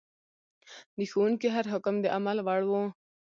د ښوونکي هر حکم د عمل وړ و.